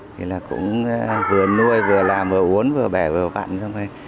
thì là cũng vừa nuôi vừa làm vừa uốn vừa bẻ vừa vặn